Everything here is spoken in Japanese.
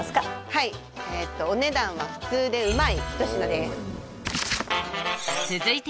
はいお値段は普通でうまい一品です